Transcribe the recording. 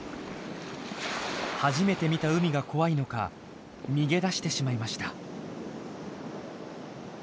初めて見た海が怖いのか逃げ出してしまいました。